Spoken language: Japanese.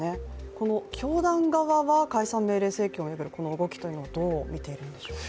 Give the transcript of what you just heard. この教団側は解散命令請求を巡る動きというのはどう見ているんでしょうか。